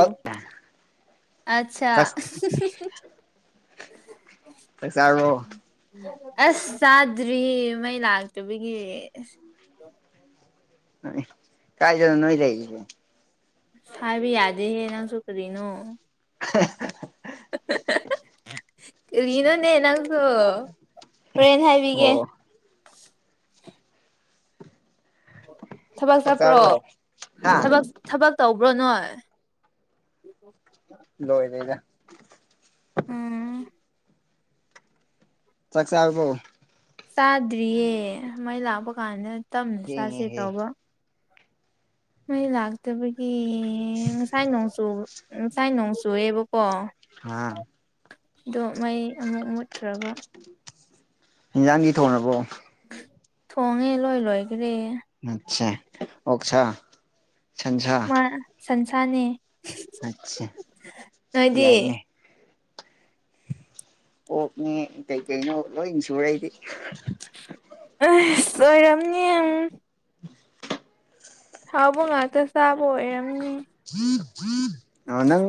ꯑ ꯆ ꯑꯠꯆꯥ ꯆꯥꯛ ꯆꯔꯕꯣ ꯑꯁ ꯆꯥꯗ꯭ꯔꯤ ꯃꯩ ꯂꯥꯛꯇꯕꯒꯤ ꯀꯥꯏꯖ ꯑꯗꯨ ꯅꯣꯏꯗꯥꯏꯁꯦ ꯍꯥꯏꯕ ꯌꯥꯗꯦꯍꯦ ꯅꯪꯁꯨꯨ ꯀꯔꯤꯅꯣ ꯍꯦꯛ ꯀꯔꯤꯅꯣꯅꯦ ꯅꯪꯁꯨ ꯍꯣꯔꯦꯟ ꯍꯥꯏꯕꯤꯒꯦ ꯑꯣ ꯊꯕꯛ ꯆꯥꯛ ꯆꯠꯄ꯭ꯔꯣ ꯆꯥꯔꯕꯣ ꯍꯥ ꯊꯕꯛ ꯇꯧꯕ꯭ꯔꯣ ꯅꯣꯏ ꯍꯥꯛ ꯂꯣꯣꯏꯗ ꯏꯗ ꯎꯝ ꯆꯥꯛꯆꯥꯕꯣ ꯆꯥꯗ꯭ꯔꯤꯌꯦ ꯃꯩ ꯂꯥꯛꯄ ꯀꯥꯟꯗ ꯇꯞꯅ ꯆꯥꯥꯁꯦ ꯊꯦꯡꯉꯦꯍꯦ ꯇꯧꯕ ꯃꯩ ꯂꯥꯛꯇꯕꯒꯤ ꯉꯁꯥꯏ ꯅꯣꯡꯆꯨ ꯉꯁꯥꯏ ꯅꯣꯡꯆꯨꯑꯦꯕꯀꯣ ꯍ ꯑꯗꯣ ꯃꯩ ꯑꯃꯨꯛ ꯃꯨꯠꯈ꯭ꯔꯕ ꯍꯤꯟꯖꯥꯡꯒꯤ ꯊꯣꯡꯔꯕ꯭ꯔꯣ ꯊꯣꯡꯉꯦ ꯂꯣꯏ ꯂꯣꯏꯈ꯭ꯔꯦ ꯑꯆꯦ ꯑꯣꯁ ꯃꯥ ꯁꯟꯁꯥꯅꯦ ꯑꯆꯥ ꯅꯣꯏꯗꯤ ꯌꯥꯏꯅꯦ ꯑꯣꯛꯅꯦ ꯀꯩꯀꯩꯅꯣ ꯂꯣꯏ ꯁꯨꯔꯩꯗꯤ ꯑ ꯑꯣꯏꯣꯏꯔꯝꯅꯤ UNINTELLIGIBLE ꯍꯥꯎꯕ ꯉꯥꯛꯇ ꯆꯥꯕ ꯑꯣꯏꯔꯝꯅꯤ ꯑ ꯅꯪ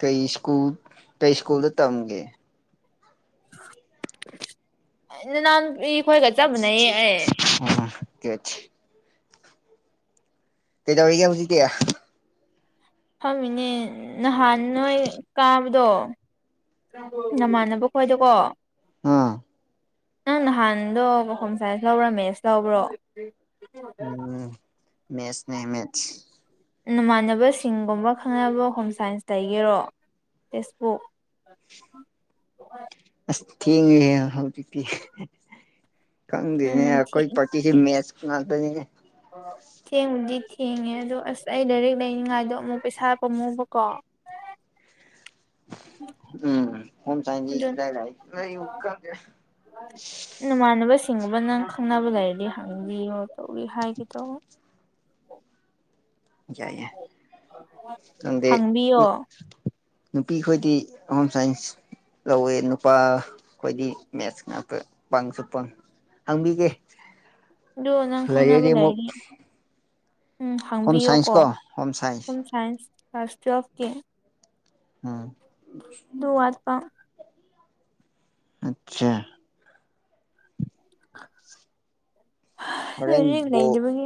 ꯀꯩ ꯁ꯭ꯀꯨꯜ ꯀꯩ ꯁ꯭ꯀꯨꯜꯗ ꯇꯝꯒꯦ ꯅꯅꯥꯥꯟꯈꯣꯏꯒ ꯆꯥꯞ ꯃꯥꯟꯅꯤꯌꯦ ꯑꯩ ꯑꯣ ꯀ ꯀꯩꯗꯧꯔꯤꯒꯦ ꯍꯧꯖꯤꯛꯇꯤ ꯐꯝꯃꯤꯅꯦ ꯅꯍꯥꯟ ꯅꯣꯏ ꯀꯥꯕꯗꯣ ꯅꯃꯥꯟꯅꯕ ꯈꯣꯏꯗꯀꯣ ꯑꯥ ꯅꯪ ꯅꯍꯥꯟꯗꯣ ꯍ‌ꯣꯝ ꯁꯥꯏꯟꯁ ꯂꯧꯕ꯭ꯔꯥ ꯃꯦꯠꯁ ꯂꯧꯕ꯭ꯔꯣ ꯎꯝ ꯃꯦꯁꯅꯦ ꯃꯦꯠ ꯅꯃꯥꯟꯅꯕꯁꯤꯡꯒꯨꯝꯕ ꯈꯪꯅꯕ ꯍꯣꯝ ꯁꯥꯏꯟꯁꯇꯒꯤꯔꯣ ꯇꯦꯛꯁꯕꯨꯛ ꯑꯁ ꯊꯦꯡꯉꯦ ꯍꯧꯖꯤꯛꯇꯤ ꯈꯪꯗꯦꯅꯦ ꯎꯝ ꯑꯩꯈꯣꯏ ꯄꯔ ꯀ ꯃꯦꯁ ꯀꯅꯥꯗꯅꯤ ꯊꯦꯡꯕꯨꯗꯤ ꯊꯦꯡꯉꯦ ꯑꯗꯣ ꯑꯁ ꯑꯩ ꯂꯥꯏꯔꯤꯛ ꯂꯩꯅꯤꯡꯉꯥꯏꯗꯣ ꯑꯃꯨꯛ ꯄꯩꯁꯥ ꯄꯝꯃꯨꯕꯀꯣ ꯎꯝ ꯍꯝ ꯑꯗꯨ ꯆꯥꯏꯟꯁ ꯏ ꯂꯥꯛ ꯅꯃꯥꯟꯅꯕꯁꯤꯡꯒꯕ ꯅꯪ ꯈꯪꯅꯕ ꯂꯩꯔꯗꯤ ꯍꯪꯕꯤꯌꯣ ꯇꯧꯔꯤ ꯍꯥꯏꯒꯤꯗꯣ ꯌꯥꯏ ꯌꯥꯏ ꯅꯪꯗꯤ ꯍꯥꯡꯕꯤꯌꯣ ꯅꯨꯄꯤ ꯈꯣꯏꯗꯤ ꯍꯣꯝ ꯁꯥꯏꯟꯁ ꯂꯧꯋꯦ ꯅꯨꯄꯥ ꯈꯈꯣꯏꯗꯤ ꯃꯦꯠꯁ ꯉꯥꯛꯇ ꯄꯪꯁꯨ ꯄꯪꯉ ꯍꯪꯕꯤꯒꯦ ꯑꯗꯨ ꯅꯪ ꯈꯪꯅꯕ ꯂꯩꯔꯗꯤ ꯑꯃꯨꯛ ꯎꯝ ꯍꯣꯝ ꯁꯥꯏꯟꯁ ꯍꯪꯕꯤꯌꯣꯀꯣ ꯀꯣ home science home science class ꯇꯨꯌꯦꯜꯐꯀꯤ ꯑꯝ ꯑꯥ ꯑꯆꯥ [inaudible] ꯍꯣꯔꯦꯟ ꯂꯥꯏꯔꯤꯛ ꯕꯣꯜ ꯂꯩꯗꯕꯒꯤ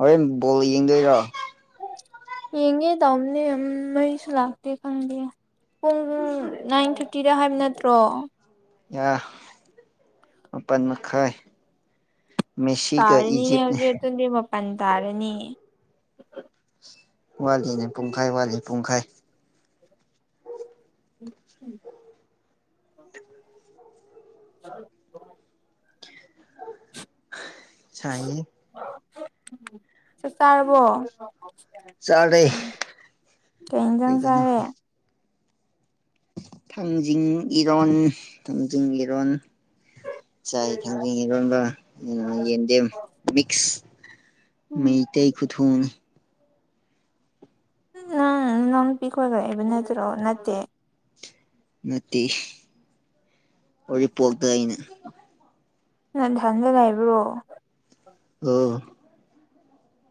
ꯍꯣꯔꯦꯟ ꯕꯣꯜ ꯌꯦꯡꯗꯣꯏꯔꯣ ꯌꯦꯡꯉꯦ ꯇꯧꯕꯅꯦ ꯑꯝ ꯃꯩꯁꯨ ꯂꯥꯛꯇꯦ ꯈꯪꯗꯦ ꯄꯨꯡ ꯅꯥꯏꯟ ꯐꯤꯐꯇꯤꯗ ꯍꯥꯏꯕ ꯅꯠꯇ꯭ꯔꯣ ꯌꯥ ꯃꯥꯄꯟ ꯃꯈꯥꯏ ꯃꯦꯁꯤꯒ ꯇꯥꯔꯅꯤꯅꯦ ꯏꯖꯤꯞꯅꯦ ꯍꯧꯖꯤꯛ ꯑꯗꯨꯗꯤ ꯃꯄꯥꯟ ꯇꯥꯔꯅꯤꯌꯦ ꯋꯥꯠꯂꯤꯅꯦ ꯄꯨꯡꯈꯥꯏ ꯋꯥꯠꯂꯤ ꯄꯨꯡꯈꯥꯏ [inaudible] [unintelligible] [unintelligible] ꯆꯥꯛ ꯆꯥꯔꯕ‌ꯣ ꯆꯥꯔꯦ ꯀꯩ ꯏꯟꯖꯥꯡ ꯆꯥꯔꯦ ꯊꯥꯡꯖꯤꯡ ꯏꯔꯣꯟ ꯊꯥꯡꯖꯤꯡ ꯏꯔꯣꯟ ꯆꯥꯏ ꯊꯥꯡꯖꯤꯝ ꯏꯔꯣꯟꯕ ꯎꯝ ꯌꯦꯟꯗꯦꯝ ꯃꯤꯛꯁ ꯎꯝ ꯃꯩꯇꯩ ꯈꯨꯨꯊꯣꯡ [unintelligible] ꯅꯠꯇꯦ ꯑꯣꯔꯤꯄꯣꯛꯇ ꯑꯩꯅ ꯅꯊꯟꯗ ꯂꯩꯕ꯭ꯔꯣ ꯑꯣ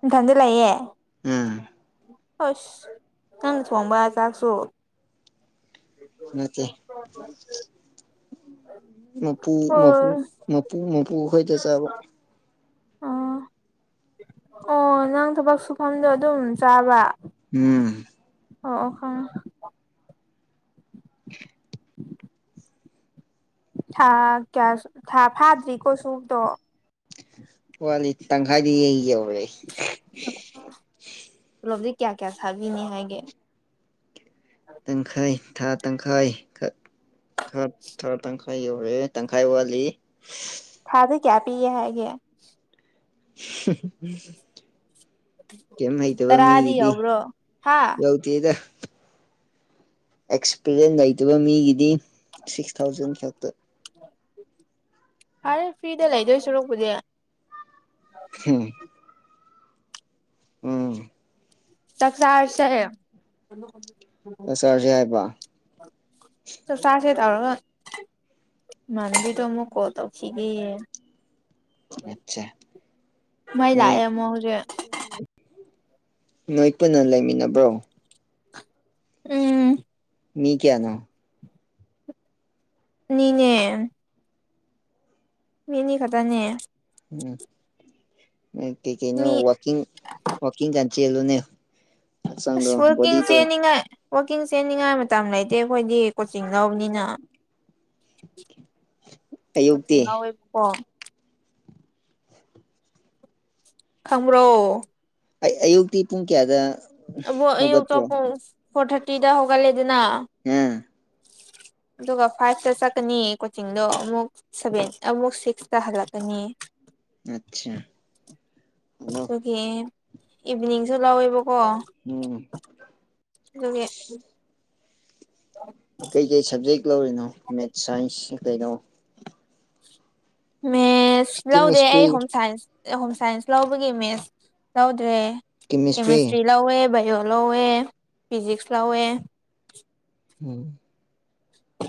ꯏꯊꯟꯗ ꯂꯩꯌ‌ꯦ ꯎꯝ ꯍꯁ ꯅꯪ ꯊꯣꯡꯕ ꯆꯥꯛꯁꯨ ꯅꯠꯇ‌ꯦ ꯃꯄꯨ ꯃꯄꯨ ꯑꯣ ꯃꯄꯨ ꯃꯄꯨ ꯈꯣꯏꯗ ꯆꯥꯕ ꯑꯣ ꯑꯣ ꯅꯪ ꯊꯕꯛ ꯁꯨꯐꯝꯗꯣ ꯑꯗꯨꯝ ꯆꯥꯕ ꯎꯝ ꯑꯣ ꯑꯣ ꯈꯪꯉꯦ ꯊ ꯀꯌꯥꯁꯨ ꯊꯥ ꯐꯥꯗ꯭ꯔꯤꯀꯣ ꯁꯨꯕꯗꯣ ꯋꯥꯠꯂꯤ ꯇꯪꯈꯥꯏꯗꯤꯌꯦ ꯌꯧꯔꯦ ꯄꯨꯂꯣꯞꯗꯤ ꯀꯌꯥ ꯀꯌꯥ ꯁꯥꯕꯤꯅꯤ ꯍꯥꯏꯒꯦ ꯇꯪꯈꯥꯏ ꯊꯥ ꯇꯪꯈꯥꯏ ꯊꯥ ꯊꯥꯥ ꯇꯪꯈꯥꯏ ꯌꯧꯔꯛꯑꯦ ꯇꯪꯈꯥꯏ ꯋꯥꯠꯂꯤ ꯊꯥꯗ ꯀꯌꯥ ꯄꯤꯌꯦ ꯍꯥꯏꯒꯦ ꯀꯩꯝ ꯍꯩꯇꯕ ꯇꯔꯥꯗꯤ ꯃꯤꯒꯤꯗꯤ ꯌꯧꯕ꯭ꯔꯣ ꯍꯥ ꯂꯧ ꯇꯦꯗ ꯑꯦꯛꯁꯄꯤꯔꯤꯌꯦꯟ ꯂꯩꯇꯕ ꯃꯤꯒꯤꯗꯤ ꯁꯤꯛꯁ ꯊꯥꯎꯖꯟ ꯈꯛꯇ ꯐꯔꯦ ꯐ꯭ꯔꯤꯗ ꯂꯩꯗꯣꯏ ꯁꯔꯨꯛꯄꯨꯗꯤ ꯍꯨꯝ ꯎꯝ ꯆꯥꯛ ꯆꯔꯥꯁꯦ [unintelligible] ꯆꯥꯛ ꯆꯔꯥꯖꯦ ꯍꯥꯏꯕ ꯆꯥꯛ ꯆꯥꯁꯦ ꯇꯧꯔꯒ ꯏꯃꯥꯟꯅꯕꯤꯗꯣ ꯑꯃꯨꯛ ꯀꯣꯜ ꯇꯧꯈꯤꯒꯦ ꯑꯠꯆꯥ ꯃꯩ ꯅꯣꯏ ꯂꯥꯛꯑꯦ ꯑꯃꯨꯛ ꯍꯧꯖꯤꯛ ꯅꯣꯏ ꯄꯨꯟꯅ ꯂꯩꯃꯤꯟꯅꯕ꯭ꯔꯣ ꯎꯝ ꯃꯤ ꯀꯌꯥꯅꯣ ꯑꯅꯤꯅꯦ ꯃꯤ ꯑꯅꯤ ꯈꯛꯇꯅꯦ ꯎꯝ ꯀꯩꯀꯩꯅꯣ ꯃꯤ ꯋꯥꯀꯤꯡ ꯋꯥꯀꯤꯡ ꯀꯥꯟ ꯆꯦꯜꯂꯨꯅꯦ ꯍꯛꯆꯥꯡꯗꯣ ꯑꯁ ꯋꯥꯛꯀꯤꯡ ꯕꯣꯗꯤꯗꯣ ꯆꯦꯟꯅꯤꯡꯉꯥꯏ ꯋꯥꯛꯀꯤꯡ ꯆꯦꯟꯅꯤꯡꯉꯥꯏ ꯃꯇꯝ ꯂꯩꯇꯦ ꯑꯩꯈꯣꯏꯗꯤ ꯀꯣꯆꯤꯡ ꯂꯧꯕꯅꯤꯅ [inaudible] ꯎꯇꯤꯡ ꯉꯥ ꯑꯣꯏꯕꯀꯣ ꯈꯪ꯭ꯕꯔꯣ ꯑꯩ ꯑꯌꯨꯛꯇꯤ ꯄꯨꯡ ꯀꯌꯥꯗ ꯑ ꯍꯧꯒꯠꯄ꯭ꯔꯣ ꯑꯌꯨꯛꯇꯄ ꯐꯣꯔ ꯊꯥꯔꯇꯤꯗ ꯍꯧꯒꯠꯂꯦ ꯑꯗꯨꯅ ꯑꯥ ꯑꯗꯨꯒ ꯐꯥꯏꯚꯇ ꯆꯠꯀꯅꯤ ꯀꯣꯆꯤꯡꯗꯣ ꯑꯃꯨꯛ ꯁꯚꯦꯟ ꯑꯃꯨꯛ ꯁꯤꯛꯁꯇ ꯍꯜꯂꯛꯀꯅꯤ ꯑꯠꯆꯥ ꯑꯗꯣ [unintelligible] ꯏꯚꯤꯅꯤꯡꯁꯨ ꯂꯧꯋꯦꯕꯀꯣ ꯎꯝ [unintelligible] [unintelligible] ꯀꯩ ꯀꯩ ꯁꯕꯖꯦꯛ ꯂꯧꯔꯤꯅꯣ ꯃꯦꯠꯁ ꯁꯥꯏꯟꯁ ꯀꯩꯅꯣ ꯃꯦꯠꯁ ꯂꯧꯗꯦ ꯀꯦꯃꯤꯁꯇ꯭ꯔꯤ ꯑꯩ ꯍꯣꯝ ꯁꯥꯏꯟꯁ ꯍꯣꯝ ꯁꯥꯏꯟꯁ ꯂꯧꯕꯒꯤ ꯃꯦꯠꯁ ꯂꯧꯗ꯭ꯔꯦ ꯀꯦꯃꯤꯁꯇ꯭ꯔꯤ ꯂꯧꯋꯦ ꯕꯥꯏꯑꯣ ꯂꯧꯋꯦ ꯐꯤꯖꯤꯛꯁ ꯂꯧꯋꯦ ꯎꯝ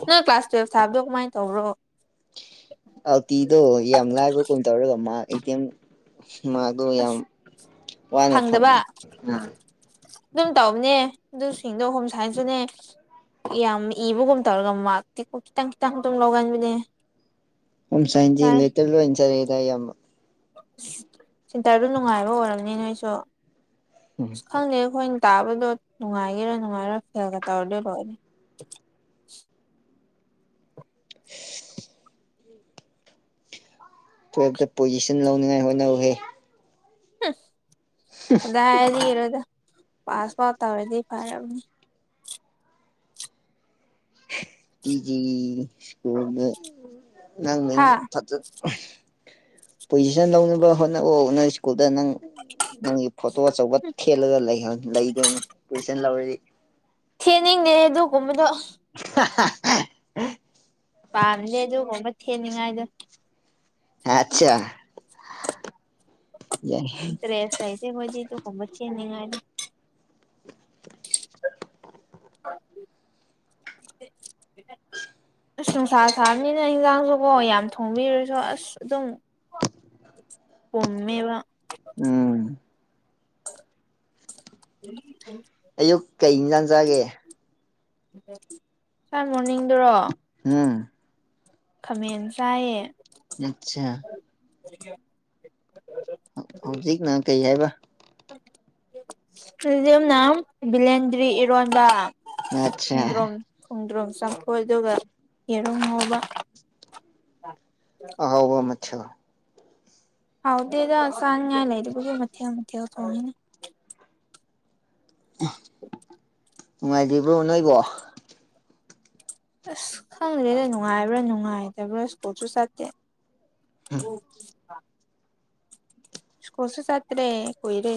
ꯅꯪ ꯀ꯭ꯂꯥꯁ ꯇꯨꯋꯦꯜꯞ ꯊꯥꯕꯗꯣ ꯀꯃꯥꯏ ꯇꯧꯕ꯭ꯔꯣ ꯑꯜꯇꯤꯗꯣ ꯌꯥꯝ ꯂꯥꯏꯕ꯭ꯔ ꯀꯨꯝ ꯇꯧꯔꯒ ꯃꯥ ꯑꯦ ꯇꯤ ꯑꯦꯝ ꯑꯗꯨ ꯌꯥꯝ ꯋꯥꯅ ꯐꯪꯗꯕ ꯐꯪꯉꯦ ꯎꯝ ꯑꯗꯨꯝ ꯇꯧꯕꯅꯦ ꯑꯗꯨꯁꯤꯡꯗꯣ ꯍꯣꯝ ꯁꯥꯏꯟꯁꯇꯨꯅꯦ ꯌꯥꯝ ꯏꯕꯒꯨꯝ ꯇꯧꯔꯒ ꯃꯥꯇꯤꯀꯣ ꯈꯤꯇꯪ ꯈꯤꯇꯪ ꯑꯗꯨꯝ ꯂꯧꯒꯟꯕꯅꯦ ꯎꯝ ꯁꯥꯏꯟꯁꯤꯇꯤ ꯂꯦꯇꯔ ꯂꫭꯏ ꯆꯥꯠꯂꯗꯦ ꯑꯌꯥꯝꯕ ꯁꯤꯦꯟꯇꯔꯗꯨ ꯅꯨꯡꯉꯥꯏꯕ ꯑꯣꯏꯔꯕꯝꯅꯤ ꯅꯣꯏꯁꯨ ꯎꯝ ꯈꯪꯗꯦ ꯑꯩꯈꯣꯏꯅ ꯇꯥꯕꯗꯣ ꯅꯨꯡꯉꯥꯏꯈꯤꯔꯥ ꯅꯨꯡꯉꯥꯏꯔꯥ ꯐꯦꯜꯒ ꯇꯧꯔꯗꯣꯏ ꯂꯣꯏꯔꯦ [unintelligible] ꯇꯨꯌꯦꯜꯞꯇ ꯄꯣꯖꯤꯁꯟ ꯂꯧꯅꯉꯥꯏ ꯍꯣꯠꯅꯧꯋꯦ ꯀꯗꯥꯏ ꯗꯒꯤꯅꫭꯗ ꯄꯥꯁ ꯃꯥꯛ ꯇꯧꯔꯗꯤ ꯐꯔꯕꯅꯤ ꯖꯤ ꯁ꯭ꯀꯨꯜ ꯅꯪ ꯍꯥ ꯐꯖ [unintelligible] ꯄꯣꯖꯤꯁꯟ ꯂꯧꯅꯕ ꯍꯣꯠꯅꯅꯕ ꯅꯪ ꯁ꯭ꯀꯨꯜꯗ ꯅꯪ ꯅꯪꯒꯤ ꯐꯣꯇꯣ ꯑꯆꯧꯕ ꯊꯦꯠꯂꯒ ꯂꯩꯗꯣꯏꯅꯤ ꯄꯖꯤꯁꯟ ꯂꯧꯔꯗꯤ ꯈꯦꯅꯤꯡꯅꯦ ꯑꯗꯨꯒꯨꯝꯕꯗꯣ [unintelligible] ꯄꯥꯝꯅꯦ ꯑꯗꯨꯒꯣꯡꯕ ꯊꯦꯅꯤꯡꯉꯥꯏꯗꯣ ꯑꯆꯥꯆꯥ ꯗ꯭ꯔꯦꯁ ꯏꯁꯕꯗꯤ ꯗ ꯀꯣꯡꯕ ꯊꯦꯟꯅꯅꯤꯡꯉꯅꯤ UNINTELLIGIBLE ꯑꯁ ꯅꯨꯡꯁꯥ ꯁꯥꯕꯅꯤꯅ ꯏꯟꯖꯥꯡꯁꯨꯀꯣ ꯌꯥꯝ ꯊꯣꯡꯕꯤꯔꯁꯨ ꯑꯁ ꯑꯗꯨꯝ ꯄꯨꯝꯃꯦꯕꯥ ꯎꯝ [unintelligible] ꯑꯌꯨꯛ ꯀꯩ ꯌꯦꯟꯖꯥꯡ ꯆꯥꯒꯦ ꯁꯥꯔ ꯃꯣꯔꯅꯤꯡꯗꯨꯔꯣ ꯍꯥꯥ ꯈꯥꯃꯦꯟ ꯆꯥꯏꯌꯦ ꯑꯆꯥ [unintelligible] ꯍꯧꯖꯤꯛꯅ ꯀꯩ ꯍꯥꯏꯕ UNINTELLIGIBLE ꯕꯤꯂꯦꯟꯗ꯭ꯔꯤ ꯏꯔꯣꯟꯕ ꯑꯠꯆꯥ ꯈꯣꯡꯗ꯭ꯔꯨꯝ ꯈꯣꯡꯗ꯭ꯔꯝ ꯆꯥꯛꯈꯣꯏ ꯑꯗꯨꯒ ꯌꯦꯔꯨꯝ ꯉꯧꯕ ꯑꯍꯥꯎꯕ ꯃꯥꯊꯦꯜ ꯍꯥꯎꯇꯦꯗ ꯆꯥꯅꯤꯡꯉꯥꯏ ꯂꯩꯇꯕꯒꯤ ꯃꯊꯦꯜ ꯃꯊꯦꯜ ꯊꫭꯡꯏꯅꯤ ꯅꯨꯡꯉꯥꯏꯔꯤꯕ꯭ꯔꯣ ꯅꯣꯏꯕꯣ ꯑꯁ ꯈꯪꯗ꯭ꯔꯦꯗ ꯅꯨꯡꯉꯥꯏꯕ꯭ꯔꯥ ꯅꯨꯡꯉꯥꯏꯇꯕ꯭ꯔꯥ ꯁ꯭ꯀꯨꯜꯁꯨ ꯆꯠꯇꯦ [unintelligible] ꯁꯀꯨ꯭ꯜꯁꯨ ꯆꯠꯇꯔꯦ ꯀꯨꯏꯔꯦ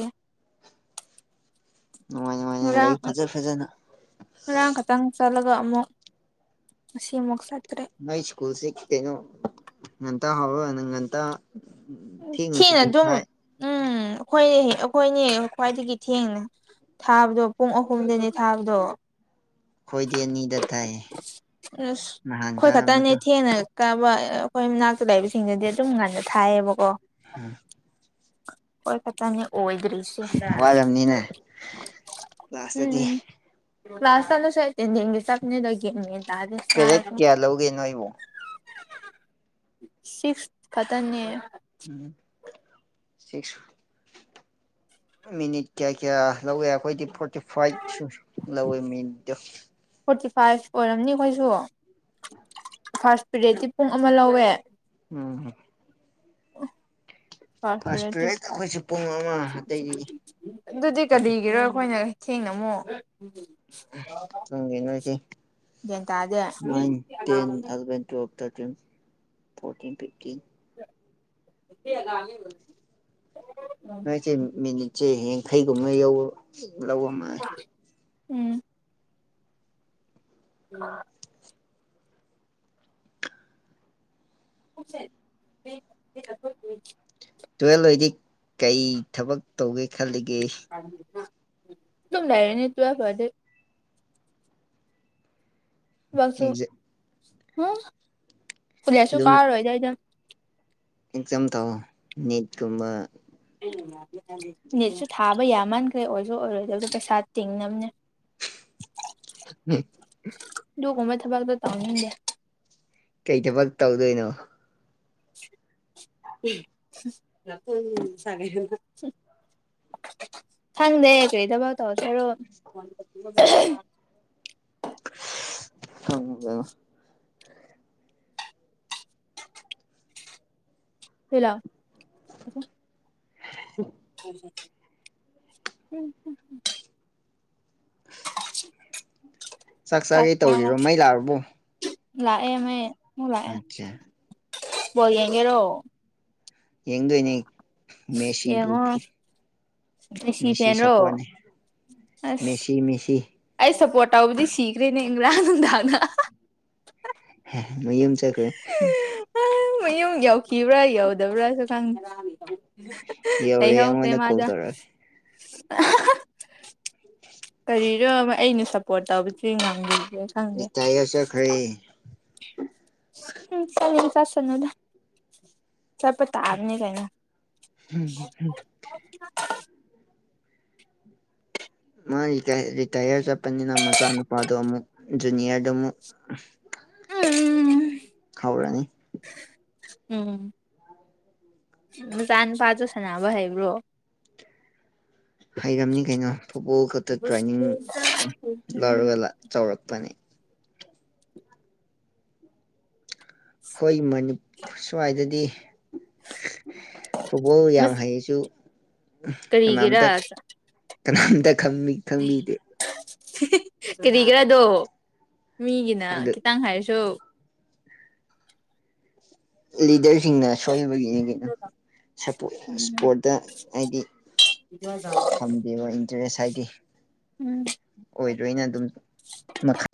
ꯅꯨꯡꯉꯥꯏ ꯅꯨꯡꯉꯥꯏꯅ ꯉꯥꯔꯥꯡ ꯂꯩ ꯐꯖ ꯐꯖꯅ ꯉꯔꯥꯡ ꯈꯛꯇꯪ ꯆꯠꯂꯒ ꯑꯃꯨꯛ ꯉꯁꯤꯃꯨꯛ ꯆꯠꯇ꯭ꯔꯦ ꯑꯩ ꯁ꯭ꯀꯨꯜꯁꯦ ꯀꯩꯅꯣ ꯉꯟꯇꯥ ꯍꯧꯔ ꯅꯪ ꯉꯟꯇꯥ ꯊꯦꯡꯅ ꯁꯨꯇꯤ ꯊꯥꯏ ꯎꯝ ꯑꯩꯈꯣꯏꯅꯦ ꯑꯩꯈꯣꯏꯅꯦ ꯈ꯭ꯋꯥꯏꯗꯒꯤ ꯊꯦꯡꯅ ꯊꯥꯕꯗꯣ ꯄꯨꯡ ꯑꯍꯨꯝꯗꯅꯤ ꯊꯥꯕꯗꯣ ꯈꯣꯏꯗꯤ ꯑꯅꯤꯗ ꯊꯥꯏ ꯑꯁ ꯅꯍꯥꯟ ꯑꯩꯈꯣꯏ ꯈꯛꯇꯅꯦ ꯀꯥꯔꯝꯕꯗꯣ ꯊꯦꯡꯅ ꯀꯕ ꯑꯩꯈꯣꯏ ꯃꯅꯥꯛꯇ ꯂꯩꯕꯁꯤꯡꯗꯗꯤ ꯑꯗꯨꯝ ꯉꯟꯅ ꯊꯥꯏꯌꯦꯕꯀꯣ [unintelligible] ꯑꯩꯈꫭꯏ ꯈꯠꯇꯅꯦ ꯑꯣꯏꯗꯔꯤꯁꯤ ꯋꯥꯔꯝꯅꯤꯅ ꯀ꯭ꯂꯥꯁꯇꯗꯤ ꯎꯝ ꯀꯂꯥꯁ ꯆꯠꯂꯖꯨ ꯑꯦꯇꯦꯟꯗꯦꯟꯒꯤ ꯆꯠꯄꯅꯤꯗ ꯄꯦꯔꯦꯠ ꯀꯌꯥ ꯂꯧꯒꯦ ꯅꯣꯏꯕꯨ [unintelligible] [inaudible] ꯁꯤꯛꯁ ꯈꯇꯥꯅꯦ ꯎꯝ ꯁꯤꯛꯁ ꯃꯤꯅꯤꯠ ꯀꯌꯥ ꯀꯌꯥ ꯂꯧꯋꯦ ꯑꯩꯈꯣꯏꯗꯤ ꯐꯣꯔꯇꯤ ꯐꯥꯏꯚꯁꯨ ꯂꯧꯋꯦ ꯃꯤꯅꯤꯠꯇꯣ ꯐꯣꯔꯇꯤ ꯐꯥꯏꯚ ꯑꯣꯏꯔꯝꯅꯤ ꯑꯩꯈꯣꯏꯁꯨ ꯐꯥꯔꯁ ꯄꯦꯔꯦꯠꯇꯤ ꯄꯨꯡ ꯑꯃ ꯂꯧꯋꯦ ꯎꯝ UNINTELLIGIBLE ꯐꯔꯥꯁ ꯄꯦꯔꯠ ꯑꯩꯈꯣꯏꯁꯨ ꯄꯨꯡ ꯑꯃꯥ ꯑꯗꯨꯗꯤ ꯀꯔꯤꯒꯤꯔꯣ ꯑꯩꯈꯣꯏꯅ ꯊꯦꯡꯅ ꯑꯃꯨꯛ ꯈꯪꯗꯦ ꯅꫭꯏꯁꯦ ꯒ꯭ꯌꯥꯟ ꯇꯥꯗꯦ ꯅꯥꯟ ten eleven twelve thirteen fourteen fifteen [unintelligible] ꯅꯣꯏꯁꯦ ꯃꯤꯅꯤꯠꯁꯦ ꯌꯥꯡꯈꯩꯒꯨꯝꯕ ꯌꯧꯔ ꯂꯧꯕꯃ ꯎꯝ [unintelligible] [unintelligible] ꯇꯨꯌꯦꯜꯞ ꯑꯣꯏꯗꯤ ꯀꯩ ꯊꯕꯛ ꯇꯧꯒꯦ ꯈꯜꯂꯤ ꯗꯨꯝ ꯂꯩꯔꯅꯤ ꯇꯨꯌꯦꯜꯞ ꯂꯣꯏꯔꯗꯤ ꯊꯕꯛꯁꯨ ꯑꯦꯛꯖꯥꯝ ꯎꯝ ꯀꯣꯂꯦꯁꯁꯨ ꯑꯗꯨꯝ ꯀꯥꯔꯔꯣꯏꯗ ꯑꯩꯗꯤ ꯑꯦꯛꯖꯥꯝ ꯊꯥꯎ ꯅꯤꯠꯀꯨꯝꯕ ꯅꯤꯠꯁꯨ ꯊꯥꯕ ꯌꯥꯃꯥꯟꯈ꯭ꯔꯦ ꯑꯣꯏꯔꯁꯨ ꯑꯣꯏꯔꯣꯏꯗꯕꯗ ꯄꯩꯁꯥ ꯇꯤꯡꯅꯕꯅꯦ [unintelligible] ꯑꯗꯨꯒꯨꯝꯕ ꯊꯕꯛꯗꯣ ꯇꯧꯅꯤꯡꯗꯦ ꯀꯩ ꯊꯕꯛ ꯇꯧꯗꯣꯏꯅꯣ [unintelligible] ꯈꯪꯗꯦ ꯀꯔꯤ ꯊꯕꯛ ꯇꯧꯗꯣꯏꯔꯣ [unintelligible] ꯈꯪꯗꯦꯗꯥ UNINTELLIGIBLE [unintelligible] ꯎꯝ [unintelligible] ꯆꯥꯛ ꯆꯥꯒꯦ ꯇꯧꯔꯤꯕ ꯃꯩ ꯂꯥꯛꯑꯕꯨ ꯂꯥꯛꯑꯦ ꯃ ꯑꯃꯨꯛ ꯂꯥꯛꯑꯦ ꯑꯠꯆꯥ ꯕꯣ ꯌꯦꯡꯒꯦꯔꯣ ꯌꯦꯡꯗꯣꯏꯅꯦ ꯃꯦꯁꯤꯕꯨ ꯌꯦꯡꯉꯣ ꯐꯨ ꯃꯦꯁꯤ ꯁꯄ꯭ꯔꫭꯠꯅꯦ ꯑꯁ ꯃꯦꯁꯤ ꯃꯦꯁꯤ ꯑꯩ ꯁꯞꯄꯣꯔꯠ ꯇꯧꯕꯗꯤ ꯁꯤꯈ꯭ꯔꯦꯅꯦ ꯏꯔꯥꯡ ꯅꯨꯡꯗꯥꯡꯅ ꯃꯌꯨꯝ ꯆꯠꯈ꯭ꯔꯦ ꯑ ꯃꯌꯨꯝ ꯌꯧꯈꯤꯕ꯭ꯔꯥ ꯌꯧꯗꯕ꯭ꯔꯥꯁꯨ ꯈꯪꯗ ꯀꯩ ꯌꯧꯔꯦ ꯍ ꯀꯦ ꯑꯩꯉꯣꯟꯗ ꯀꯣꯜ ꯃꯥꯖꯥ ꯇꯧꯔꯛꯑꯦ [unintelligible] ꯎ [inaudible] ꯀꯔꯤꯅꯣ ꯑꯩꯅ ꯁꯞꯄꯣꯔꯠ ꯇꯧꯕꯁꯦ ꯉꯝꯕꯤꯒꯦ ꯔꯤꯇꯥꯏꯌꯔ ꯆꯠꯈ꯭ꯔꯦ ꯎꯝ ꯆꯠꯅꯤꯡ ꯆꯠꯁꯅꯨꯗ ꯆꯠꯄꯇꯕꯅꯤ ꯀꯩꯅꫭ ꯍꯝ ꯍꯝ ꯍꯝ ꯑ ꯃꯥ ꯔꯤꯇ ꯔꯤꯇꯩꯔ ꯆꯠꯅꯤ ꯅ ꯃꯆꯥꯅ ꯐꯗꯑ ꯑꯃ ꯨꯅꯤꯌꯔꯗ ꯑꯃ ꯎꯝꯝ [inaudible] ꯍꯥꯎꯔꯅꯤ ꯎꯝ ꯃꯆꯥ ꯅꯨꯨꯄꯥꯁꯨ ꯁꯥꯟꯅꯕ ꯍꯩꯕ꯭ꯔꯣ ꯍꯩꯔꯝꯅꯤ ꯀꯩꯅꯣ ꯐꯨꯠꯕꯣꯜ ꯈꯛꯇ ꯇ꯭ꯔꯦꯟꯅꯤꯡ ꯂꯧꯔꯒ ꯆꯥꯎꯔꯛꯄꯅꯦ ꯑꯩꯈꯣꯏꯅꯤ ꯁ꯭ꯋꯥꯏꯗꯗꯤ ꯐꯨꯠꯕꯣꯜ ꯌꯥꯝ ꯍꯩꯁꯨ ꯃ ꯀꯔꯤꯒꯤꯔ ꯑꯝꯇ ꯀꯅꯥꯝꯗ ꯈꯝꯃꯤ ꯀꯔꯤꯒꯤꯔꯥ ꯑꯗꯣ ꯃꯤꯒꯤꯅ ꯑꯗꯨ ꯈꯤꯇꯪ ꯍꯥꯏꯔꯁꯨ ꯂꯤꯗꯔꯁꯤꯡꯅ ꯁꯣꯏꯅꯕꯒꯤ ꯀꯩꯅꯣ ꯏꯁꯄꯣꯔꯠꯇ ꯍꯥꯏꯗꯤ ꯏꯃ ꯆ [unintelligible] ꯊꯝꯗꯦꯕ ꯏꯟꯇꯔꯦꯁ ꯍꯥꯏꯗꯤ ꯎꯝ ꯑꯣꯏꯗ꯭ꯔꯣꯏꯅ ꯑꯗꯨꯝ ꯃꯈ